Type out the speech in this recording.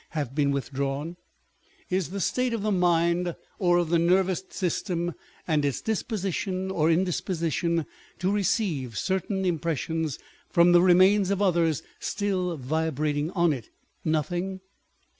have been withdrawn ? Is the state of the mind or of the nervous system, and its disposition or indisposition to receive certain impressions from the remains of others still vibrating on it, nothing